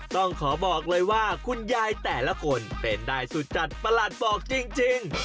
ต้องขอบอกเลยว่าคุณยายแต่ละคนเต้นได้สุดจัดประหลัดบอกจริง